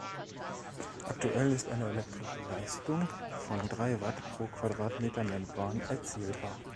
Aktuell ist eine elektrische Leistung von drei Watt pro Quadratmeter Membran erzielbar.